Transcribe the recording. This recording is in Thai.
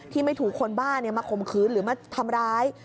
ไม่ถูกคนบ้ามาข่มขืนหรือมาทำร้าย